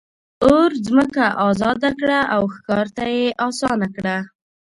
اور ځمکه آزاده کړه او ښکار ته یې آسانه کړه.